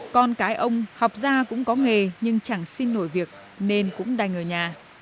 con cái ông học ra cũng có nghề nhưng chẳng xin nổi việc nên cũng đành ở nhà